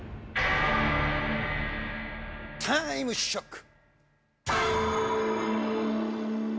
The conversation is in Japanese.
タイムショック！